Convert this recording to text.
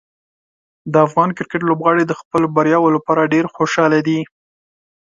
د افغان کرکټ لوبغاړي د خپلو بریاوو لپاره ډېر خوشحاله دي.